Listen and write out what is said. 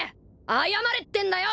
謝れってんだよ